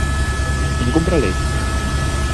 Incumpre a lei?